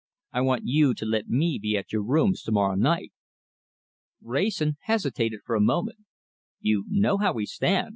I want you to let me be at your rooms to morrow night." Wrayson hesitated for a moment. "You know how we stand?"